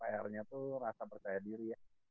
akhirnya tuh rasa percaya diri ya